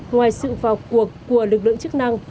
ngoài sự vào cuộc của lực lượng chức năng